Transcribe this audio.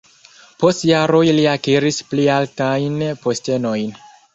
Post jaroj li akiris pli altajn postenojn.